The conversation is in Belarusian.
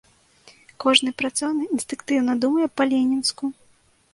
Кожны працоўны інстынктыўна думае па-ленінску.